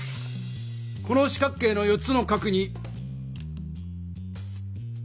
この四角形の４つの角に。